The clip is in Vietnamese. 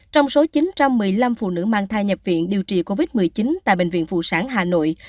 trong số chín trăm một mươi năm phụ nữ mang thai nhập viện điều trị covid một mươi chín tại bệnh viện phụ sản hà nội